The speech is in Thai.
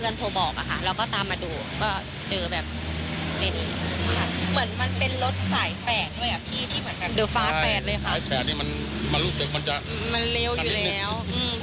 อืมก็ทุกเช้าจะต้องมาส่ง